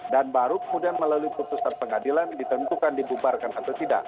dan baru kemudian melalui proses pengadilan ditentukan dibubarkan atau tidak